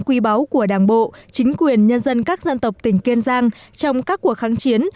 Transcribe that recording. quý báu của đảng bộ chính quyền nhân dân các dân tộc tỉnh kiên giang trong các cuộc kháng chiến